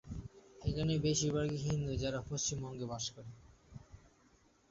এরা সবাই মূলত মুসলিম এবং পশ্চিমবঙ্গে বাস করে।